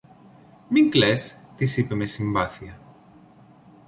Μην κλαις, της είπε με συμπάθεια.